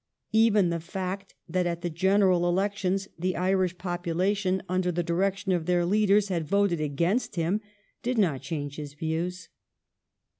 Even the fact that at the general elections the Irish population, under the direction of their leaders, had voted against him, did not change his views.